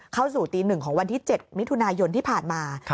เข้าสู่ตี๑ของวันที่๗มิถุนายนที่ผ่านมา